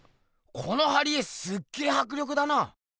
この貼り絵すっげぇはくりょくだな！